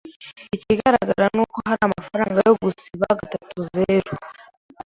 Ikigaragara nuko hari amafaranga yo gusiba gatatuzeru%.